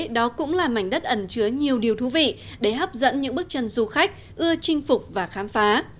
đó cũng là mảnh đất ẩn chứa nhiều điều thú vị để hấp dẫn những bước chân du khách ưa chinh phục và khám phá